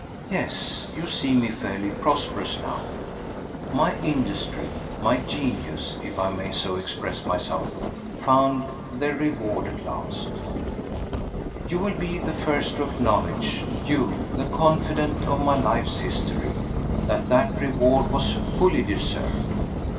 Yes, you see me fairly prosperous now. My industry, my genius—if I may so express myself—found their reward at last. You will be the first to acknowledge—you, the confidant of my life's history—that that reward was fully deserved.